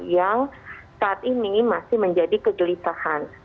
yang saat ini masih menjadi kegelisahan